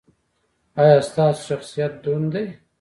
ایا ستاسو شخصیت دروند دی؟